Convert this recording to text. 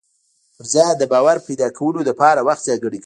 پر ځان د باور پيدا کولو لپاره وخت ځانګړی کوم.